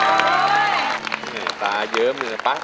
ต้องเหนื่อยตายเยอะเมื่อกี่